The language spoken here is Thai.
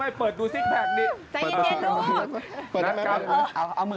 ไม่เปิดดูซิกแพคนี้